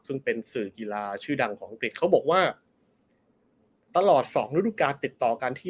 ซึ่งเป็นสื่อกีฬาชื่อดังของอังกฤษเขาบอกว่าตลอดสองฤดูการติดต่อกันที่